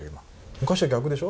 昔は逆でしょ。